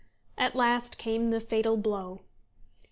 At last came the fatal blow.